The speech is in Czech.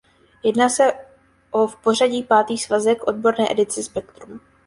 Jedná se o v pořadí pátý svazek odborné edice "Spektrum".